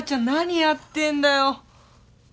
何やってんだよ！